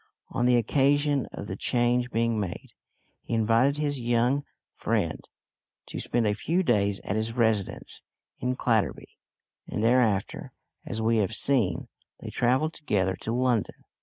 On the occasion of the change being made, he invited his young friend to spend a few days at his residence in Clatterby, and thereafter, as we have seen, they travelled together to London.